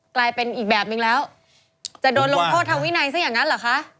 กลายเป็นอีกแบบนึงแล้วจะโดนลงโทษทางวินัยซะอย่างนั้นเหรอคะ